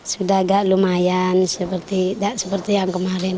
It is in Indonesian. sudah agak lumayan seperti yang kemarin